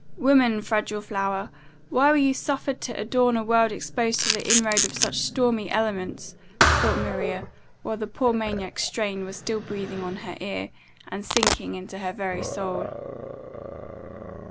"Woman, fragile flower! why were you suffered to adorn a world exposed to the inroad of such stormy elements?" thought Maria, while the poor maniac's strain was still breathing on her ear, and sinking into her very soul.